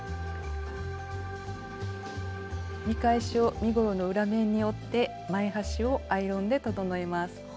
見返しを身ごろの裏面に折って前端をアイロンで整えます。